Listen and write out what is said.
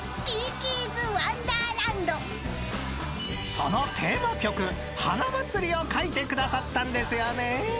［そのテーマ曲『花まつり』を書いてくださったんですよね］